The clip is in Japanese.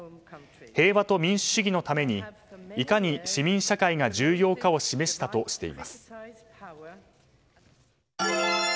平和と民主主義のためにいかに市民社会が重要かを示したとしています。